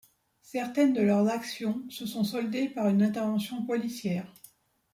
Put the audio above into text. Certaines de leurs actions se sont soldées par une intervention policière.